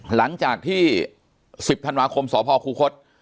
หลังจากที่๑๐ธันวาคมสพคูคศ